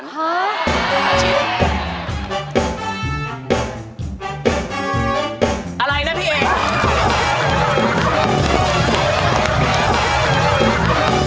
อะไรนะพี่เอก